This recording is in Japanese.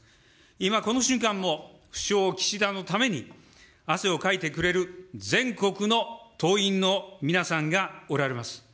今この瞬間も、不肖岸田のために汗をかいてくれる全国の党員の皆さんがおられます。